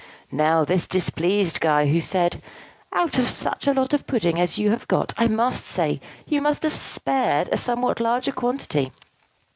Now, this displeased Guy, who said, "Out of such a lot of pudding as you have got, I must say, you might have spared a somewhat larger quantity."